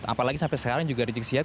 apalagi sampai sekarang juga rizik sihab